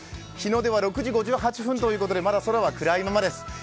日の出は６時５８分ということでまで空は暗いままです。